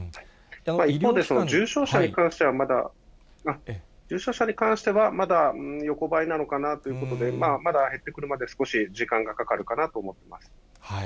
一方で重症者に関しては、まだ横ばいなのかなということで、まだ減ってくるまで少し時間がかかるかなと思ってます。